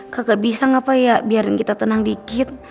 gak bisa gak apa ya biarin kita tenang dikit